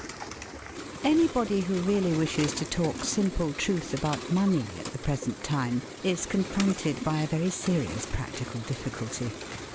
Anybody who really wishes to talk simple truth about money at the present time is confronted by a very serious practical difficulty.